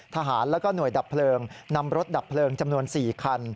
ทหารแล้วก็หน่วยดับเพลิงนำรถดับเพลิงจำนวน๔คัน